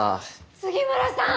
杉村さん！